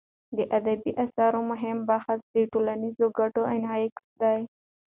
د ادبي اثر مهم بحث د ټولنیزو ګټو انعکاس دی.